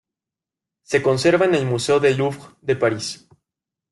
Se conserva en el Museo del Louvre de París.